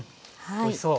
おいしそう。